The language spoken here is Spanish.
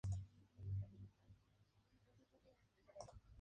La boca del río Arkansas está en la ahora ciudad fantasma de Napoleon, Arkansas.